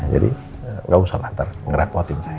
jadi gak usah nantar ngerepotin saya